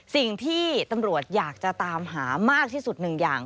สิ่งที่ตำรวจอยากจะตามหามากที่สุดหนึ่งอย่าง